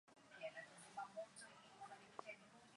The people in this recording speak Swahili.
kiswahili kuchukuliwa kama lugha duni dhidi ya kiingereza